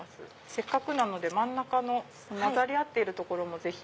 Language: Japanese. せっかくなので真ん中の混ざり合っている所もぜひ。